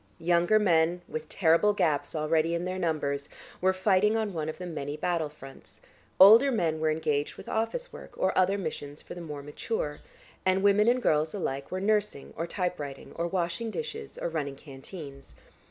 Younger men, with terrible gaps already in their numbers, were fighting on one of the many battle fronts, older men were engaged with office work or other missions for the more mature, and women and girls alike were nursing or typewriting, or washing dishes, or running canteens.